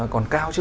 còn cao chứ